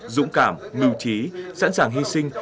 dũng cảm nưu trí sẵn sàng hy sinh